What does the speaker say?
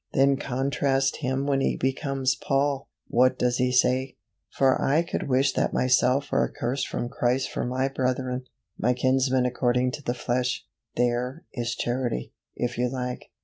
Then contrast him when he becomes Paul. What does he say? "For I could wish that myself were accursed from Christ for my brethren, my kinsmen according to the flesh." There is Charity, if you like.